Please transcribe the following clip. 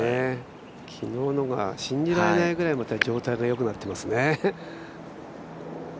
昨日のが信じられないぐらいまた状態がよくなってますね。